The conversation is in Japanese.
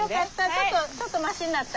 ちょっとちょっとましになった？